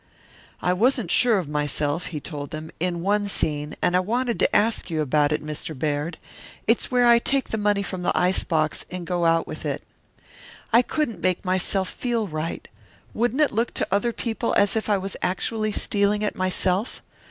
"I wasn't sure of myself," he told them, "in one scene, and I wanted to ask you about it, Mr. Baird. It's where I take that money from the ice box and go out with it. I couldn't make myself feel right. Wouldn't it look to other people as if I was actually stealing it myself?